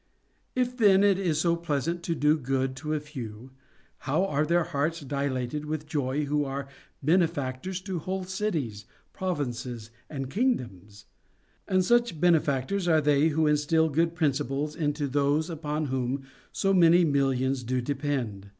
If then it is so pleasant to do good to a few, how are their hearts dilated with joy who are benefactors to whole cities, provinces, and kingdoms \ And such benefactors are they who instil good principles into those upon whom so many millions do depend.